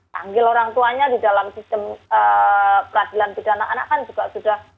panggil orang tuanya di dalam sistem peradilan pidana anak kan juga sudah